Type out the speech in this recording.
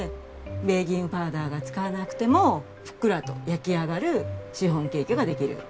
ベーキングパウダーを使わなくてもふっくらと焼き上がるシフォンケーキができる。